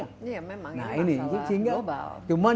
ya memang ini masalah global